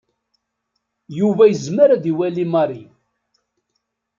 Yuba yezmer ad iwali Mary.